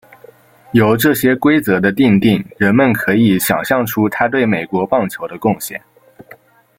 由这些规则的订定人们可以想像出他对美国棒球的贡献。